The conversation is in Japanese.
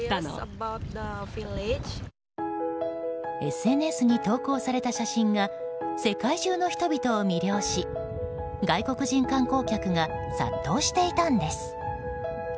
ＳＮＳに投稿された写真が世界中の人々を魅了し外国人観光客が殺到していたんです。